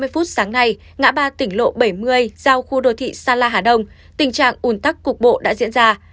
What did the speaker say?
bảy h ba mươi sáng nay ngã ba tỉnh lộ bảy mươi giao khu đô thị sa la hà đông tình trạng ùn tắc cục bộ đã diễn ra